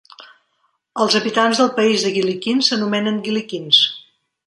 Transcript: Els habitants del país de Gillikin s'anomenen gillikins.